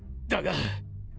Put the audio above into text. だが。